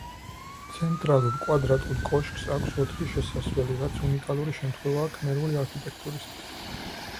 ცენტრალურ კვადრატულ კოშკს აქვს ოთხი შესასვლელი, რაც უნიკალური შემთხვევაა ქმერული არქიტექტურისთვის.